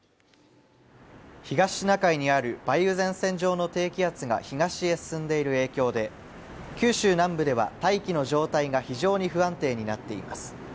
東シナ海にある梅雨前線上の低気圧が東へ進んでいる影響で、九州南部では大気の状態が非常に不安定になっています。